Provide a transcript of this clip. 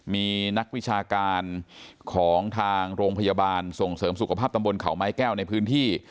มีนักวิชาการของทางโรงพยาบาลส่งเสริมสุขภาพตำบลเขาไม้แก้วในพื้นที่